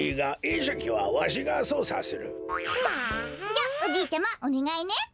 じゃおじいちゃまおねがいね。